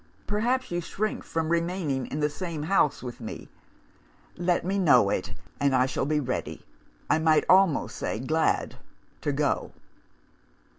Perhaps, you shrink from remaining in the same house with me? Let me know it, and I shall be ready I might almost say, glad to go.